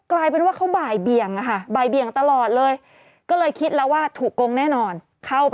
กลายเป็นว่าเขาบ่ายเบี่ยงอ่ะค่ะ